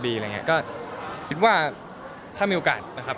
ดีอย่างนี้ก็ถ้ามีโอกาสนะครับ